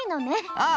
ああ。